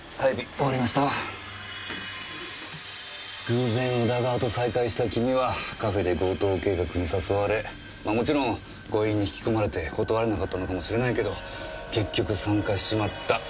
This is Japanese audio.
偶然宇田川と再会した君はカフェで強盗計画に誘われもちろん強引に引き込まれて断れなかったのかもしれないけど結局参加しちまった。